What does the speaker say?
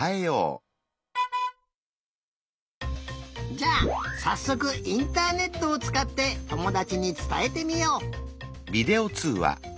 じゃあさっそくインターネットをつかってともだちにつたえてみよう。